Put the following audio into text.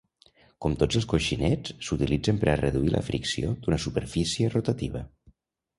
Com tots els coixinets, s'utilitzen per a reduir la fricció d'una superfície rotativa.